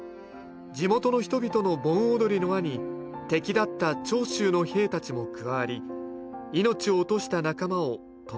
地元の人々の盆踊りの輪に敵だった長州の兵たちも加わり命を落とした仲間を弔いました。